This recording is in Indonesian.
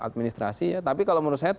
administrasi ya tapi kalau menurut saya